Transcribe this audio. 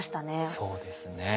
そうですね。